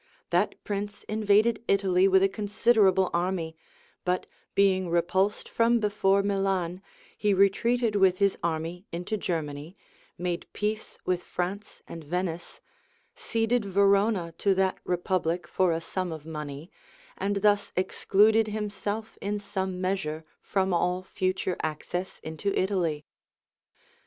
That prince invaded Italy with a considerable army; but being repulsed from before Milan, he retreated with his army into Germany, made peace with France and Venice, ceded Verona to that republic for a sum of money, and thus excluded himself in some measure from all future access into Italy.